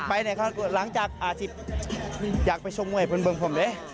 ไปแล้วหลังจากอาจจะอยากไปชกเมื่อให้เพื่อนผมเลย